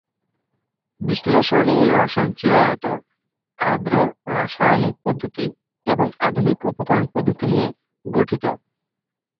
বিশ্লেষণী রসায়ন চিরায়ত, আর্দ্র রাসায়নিক পদ্ধতি এবং আধুনিক উপকরণ পদ্ধতি নিয়ে গঠিত।